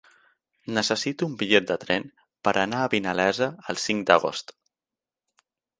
Necessito un bitllet de tren per anar a Vinalesa el cinc d'agost.